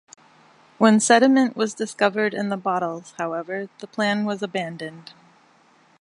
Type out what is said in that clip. When sediment was discovered in the bottles, however, the plan was abandoned.